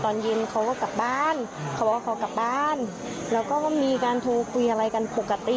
ก็มีการเสียใจมากนะฮะเสียใจมาไหนแล้วก็มีการโทษพูดอะไรกันปกติ